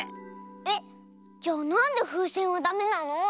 えっじゃあなんでふうせんはダメなの？